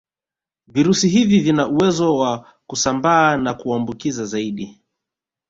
Virusi hivi vina uwezo wa kusambaa na kuambukiza zaidi